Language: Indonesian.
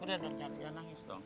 udah udah jangan nangis dong